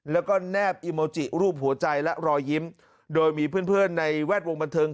แล้วก็แนบอีโมจิรูปหัวใจและรอยยิ้มโดยมีเพื่อนเพื่อนในแวดวงบันเทิง